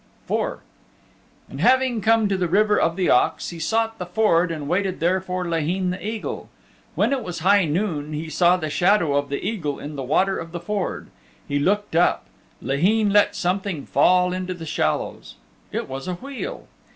IV And having come to the River of the Ox he sought the ford and waited there for Laheen the Eagle. When it was high noon he saw the shadow of the Eagle in the water of the ford. He looked up. Laheen let something fall into the shallows. It was a wheel.